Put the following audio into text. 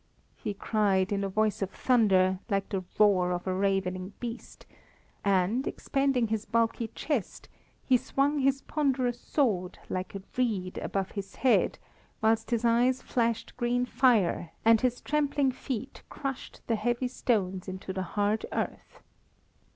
he cried, in a voice of thunder, like the roar of a ravening beast; and, expanding his bulky chest, he swung his ponderous sword, like a reed, above his head whilst his eyes flashed green fire and his trampling feet crushed the heavy stones into the hard earth.